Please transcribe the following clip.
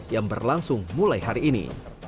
yang berlangsung mulai hari ini